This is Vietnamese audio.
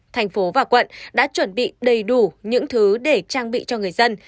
thành phố và quận đã chuẩn bị đầy đủ những thứ để trang bị cho người dân